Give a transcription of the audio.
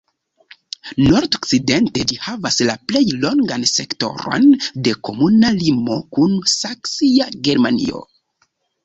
Nordokcidente ĝi havas la plej longan sektoron de komuna limo kun saksia Germanio.